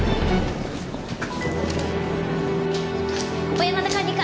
小山田管理官！